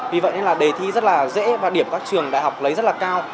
vì vậy nên là đề thi rất là dễ và điểm các trường đại học lấy rất là cao